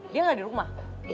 dia gak di rumah